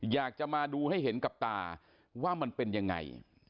อยากจะมาดูให้เห็นกับตาว่ามันเป็นยังไง